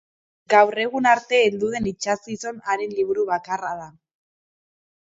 Gaur egun arte heldu den itsasgizon haren liburu bakarra da.